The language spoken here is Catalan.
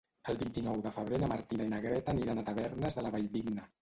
El vint-i-nou de febrer na Martina i na Greta aniran a Tavernes de la Valldigna.